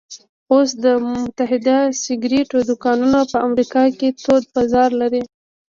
اوس د متحده سګرېټو دوکانونه په امریکا کې تود بازار لري